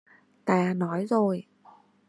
ta nói rồi